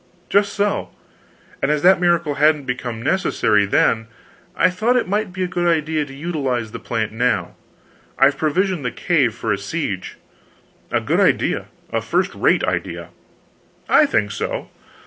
"Just so. And as that miracle hadn't become necessary then, I thought it might be a good idea to utilize the plant now. I've provisioned the cave for a siege " "A good idea, a first rate idea." "I think so.